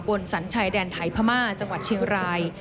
สัญชายแดนไทยพม่าจังหวัดเชียงราย